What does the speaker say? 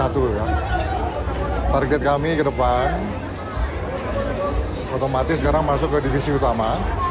target kami ke depan otomatis sekarang masuk ke divisi utama